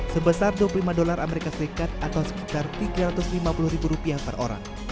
sebesar dua puluh lima dolar as atau sekitar tiga ratus lima puluh ribu rupiah per orang